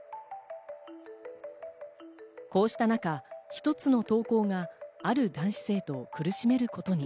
こうした中、一つの投稿がある男子生徒を苦しめることに。